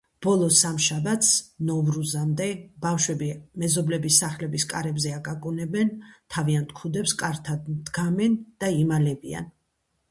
ბოლო სამშაბათს, ნოვრუზამდე, ბავშვები მეზობლების სახლების კარებზე აკაკუნებენ, თავიანთ ქუდებს კართან დგამენ და იმალებიან.